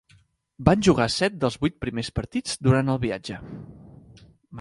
Van jugar set dels vuit primers partits durant el viatge.